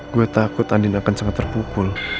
gue takut andin akan cek